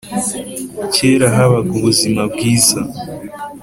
kera habaga ubuzima bwiza